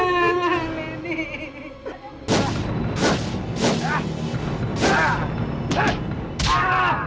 jangan tinggalkan aku farna